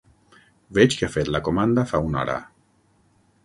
Veig que ha fet la comanda fa una hora.